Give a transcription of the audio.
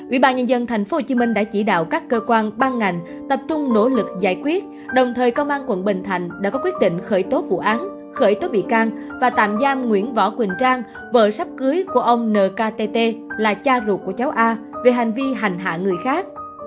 ủy ban nhân dân tp hcm đã chỉ đạo các cơ quan ban ngành tập trung nỗ lực giải quyết đồng thời công an quận bình thạnh đã có quyết định khởi tố vụ án khởi tố bị can và tạm giam nguyễn võ quỳnh trang vợ sắp cưới của ông nkt là cha ruột của cháu a về hành vi hành hạ người khác